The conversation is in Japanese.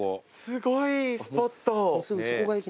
すごいスポット。